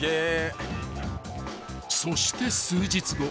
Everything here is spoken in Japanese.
［そして数日後